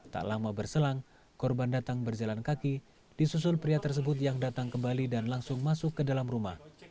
tak lama berselang korban datang berjalan kaki disusul pria tersebut yang datang kembali dan langsung masuk ke dalam rumah